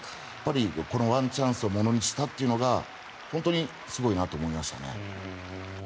このワンチャンスをものにしたというのが本当にすごいなと思いましたね。